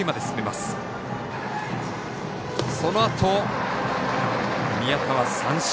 そのあと、宮田は三振。